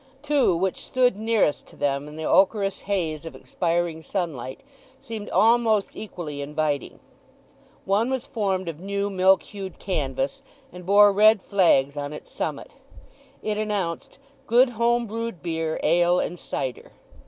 Two, which stood nearest to them in the ochreous haze of expiring sunlight, seemed almost equally inviting. One was formed of new, milk hued canvas, and bore red flags on its summit; it announced "Good Home brewed Beer, Ale, and Cyder."